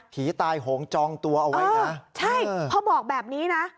ตายโหงจองตัวเอาไว้นะใช่พอบอกแบบนี้นะ